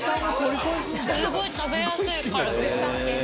すごい食べやすいカルビ。